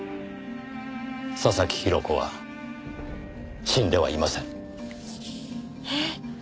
佐々木広子は死んではいません。えっ？